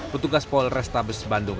petugas polrestabes bandung